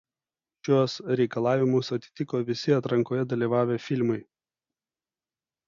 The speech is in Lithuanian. Šiuos reikalavimus atitiko visi atrankoje dalyvavę filmai.